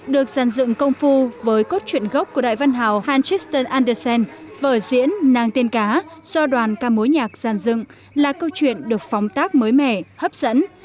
được giàn dựng công phu với cốt truyện gốc của đại văn hào hans christian andersen vở diễn nàng tiên cá do đoàn ca múa nhạc giàn dựng là câu chuyện được phóng tác mới mẻ hấp dẫn